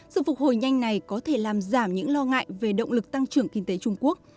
sự phục hồi nhanh này có thể làm giảm những lo ngại về động lực tăng trưởng kinh tế trung quốc